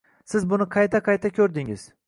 Siz buni qayta -qayta ko'rdingiz